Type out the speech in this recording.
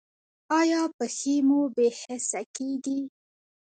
ایا پښې مو بې حسه کیږي؟